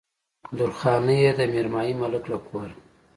درخانۍ يې د ميرمايي ملک له کوره